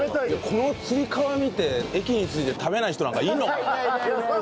このつり革を見て駅に着いて食べない人なんかいるのかな？